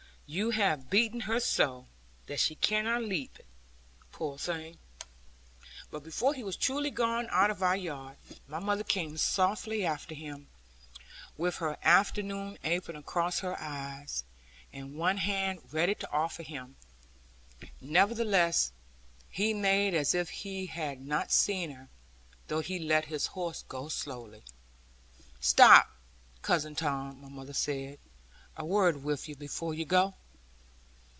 You have beaten her so, that she cannot leap it, poor thing.' But before he was truly gone out of our yard, my mother came softly after him, with her afternoon apron across her eyes, and one hand ready to offer him. Nevertheless, he made as if he had not seen her, though he let his horse go slowly. 'Stop, Cousin Tom,' my mother said, 'a word with you, before you go.'